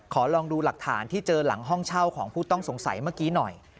ลองดูหลักฐานที่เจอหลังห้องเช่าของผู้ต้องสงสัยเมื่อกี้หน่อย